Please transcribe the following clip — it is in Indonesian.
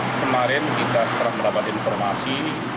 kemarin kita sekarang mendapatkan informasi